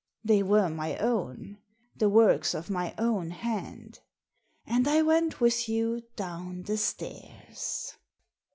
They were my own, the works of my own hand !— and I went with you down the stairs."